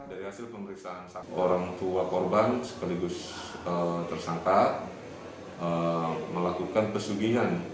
dari hasil pemeriksaan orang tua korban sekaligus tersangka melakukan pesugihan